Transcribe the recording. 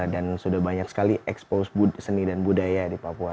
dan sudah banyak sekali expose seni dan budaya di papua